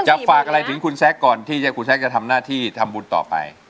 ฝากอะไรถึงคุณแซคก่อนที่คุณแซคจะทำหน้าที่ทำบุญต่อไป